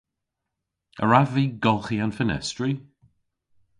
A wrav vy golghi an fenestri?